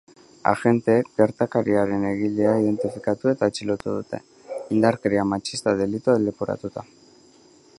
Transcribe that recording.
Agenteek gertakarien egilea identifikatu eta atxilotu dute, indarkeria matxista delitua leporatuta.